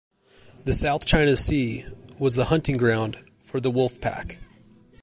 The South China Sea was the hunting ground for the wolf pack.